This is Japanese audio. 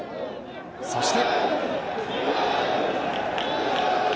そして。